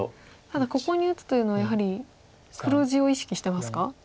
ただここに打つというのはやはり黒地を意識してますか？